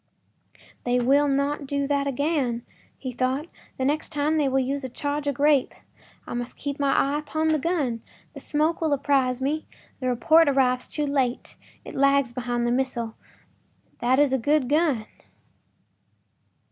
“They will not do that again,” he thought; “the next time they will use a charge of grape. I must keep my eye upon the gun; the smoke will apprise me—the report arrives too late; it lags behind the missile. That is a good gun.